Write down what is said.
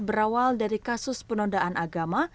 berawal dari kasus penodaan agama